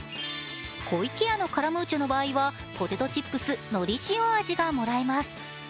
湖池屋のカラムーチョの場合はポテトチップスのり塩味がもらえます。